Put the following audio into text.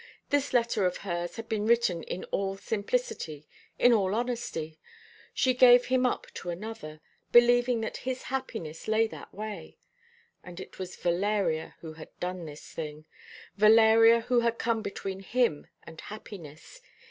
This letter of hers had been written in all simplicity, in all honesty. She gave him up to another, believing that his happiness lay that way. And it was Valeria who had done this thing Valeria who had come between him and happiness.